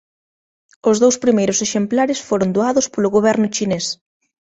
Os dous primeiros exemplares foron doados polo goberno chinés.